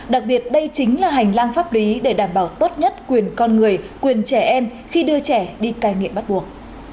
đặc biệt đây chính là hành lang pháp lý để đảm bảo tốt nhất quyền con người quyền trẻ em khi đưa trẻ đi cai nghiện bắt buộc